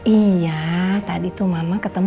iya tadi tuh mama ketemu